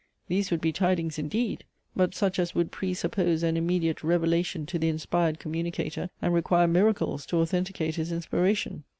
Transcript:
These would be tidings indeed; but such as would pre suppose an immediate revelation to the inspired communicator, and require miracles to authenticate his inspiration.